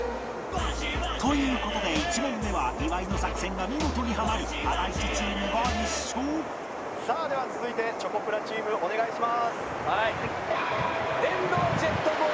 という事で１問目は岩井の作戦が見事にハマりハライチチームが１勝さあでは続いてチョコプラチームお願いします！